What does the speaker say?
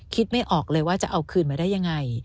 ไม่ออกเลยว่าจะเอาคืนมาได้ยังไง